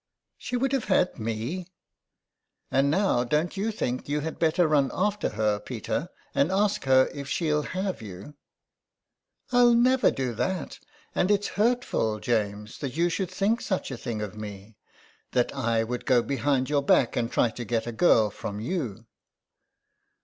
'* She would have had me !"" And now don't you think you had better run after her, Peter, and ask her if she'll have you ?"" I'll never do that ; and it is hurtful, James, that you should think such a thing of me, that I would go behind your back and try to get a girl from you."